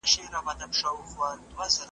یا ښکاري یا د زمري خولې ته سوغات سم `